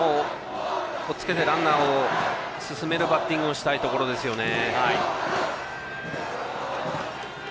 ランナーを進めるバッティングをしたいところですよね。